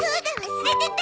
忘れてた。